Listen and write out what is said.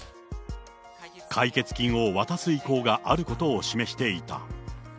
解決金を渡す意向があることを示していた。